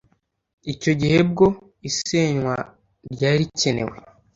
icyo gihe bwo isenywa ryari ricyenewe